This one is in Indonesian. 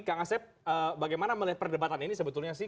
kak ngasep bagaimana melihat perdebatan ini sebetulnya sih